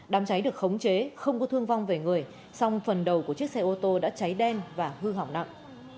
đám cháy được khống chế không có thương vong về người song phần đầu của chiếc xe ô tô đã cháy đen và hư hỏng nặng